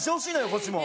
こっちも。